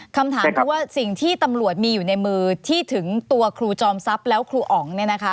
คำถามคือว่าสิ่งที่ตำรวจมีอยู่ในมือที่ถึงตัวครูจอมทรัพย์แล้วครูอ๋อง